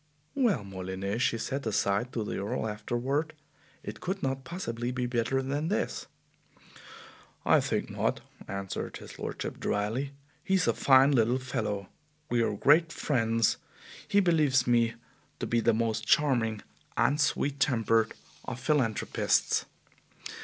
"Well, Molyneux," she said aside to the Earl afterward, "it could not possibly be better than this!" "I think not," answered his lordship dryly. "He is a fine little fellow. We are great friends. He believes me to be the most charming and sweet tempered of philanthropists.